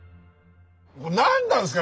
何なんですか？